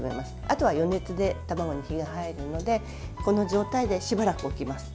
あとは余熱で卵に火が入るのでこの状態でしばらく置きます